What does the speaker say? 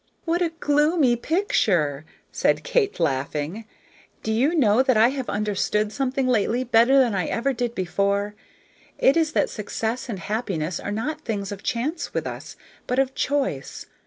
"What a gloomy picture!" said Kate, laughing. "Do you know that I have understood something lately better than I ever did before, it is that success and happiness are not things of chance with us, but of choice.